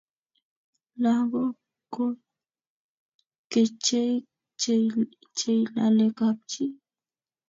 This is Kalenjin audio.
langok ko kecheik cheilali kap chii